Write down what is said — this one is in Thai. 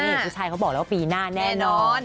นี่ผู้ชายเขาบอกแล้วปีหน้าแน่นอน